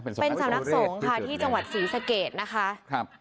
เป็นสำนักทรงค่ะที่จังหวัดศรีสะเกดนะคะ